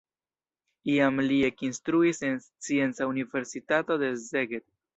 Iam li ekinstruis en Scienca Universitato de Szeged.